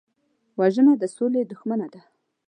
وژنه د سولې دښمنه ده